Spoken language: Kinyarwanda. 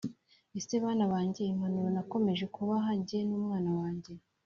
ese bana banjye impanuro nakomeje kubaha jye n’umwana wanjye,